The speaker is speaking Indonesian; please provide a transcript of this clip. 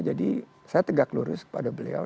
jadi saya tegak lurus kepada beliau